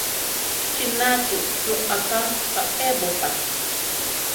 ¿Chí nachi roʼaká kaʼébopa?